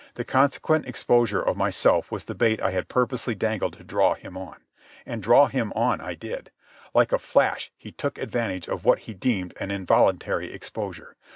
The consequent exposure of myself was the bait I had purposely dangled to draw him on. And draw him on I did. Like a flash he took advantage of what he deemed an involuntary exposure.